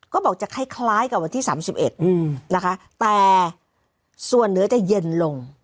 ก็บอกจะคล้ายคล้ายกับวันที่สามสิบเอ็ดอืมนะคะแต่ส่วนเหนือจะเย็นลง